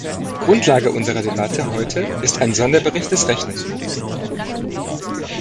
Grundlage unserer Debatte heute ist ein Sonderbericht des Rechnungshofs.